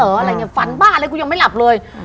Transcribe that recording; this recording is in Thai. อะไรอย่างนี้ฝันบ้าอะไรกูยังไม่หลับเลย